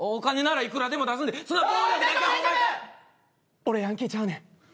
俺ヤンキーちゃうねん。